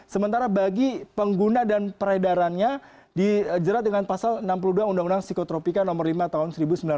sementara bagi pengguna dan peredarannya dijerat dengan pasal enam puluh dua undang undang psikotropika nomor lima tahun seribu sembilan ratus sembilan puluh